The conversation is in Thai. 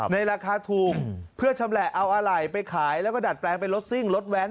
ในราคาทุ่มเพื่อชำแหละเอาอะไรไปขายแล้วก็ดัดแปลงไปลดซิ่งลดแว้น